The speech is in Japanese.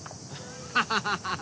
ハハハハ！